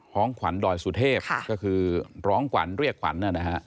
ร้องขวันดอยสุเทพฯก็คือร้องขวันเรียกขวันนั่น